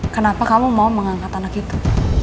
kenapa kamu mau mengangkat anak itu